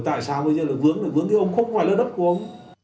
tại sao bây giờ vướng thì vướng thì ông không phải là đất của ông